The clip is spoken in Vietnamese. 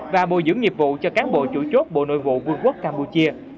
và bồi dưỡng nghiệp vụ cho cán bộ chủ chốt bộ nội vụ vương quốc campuchia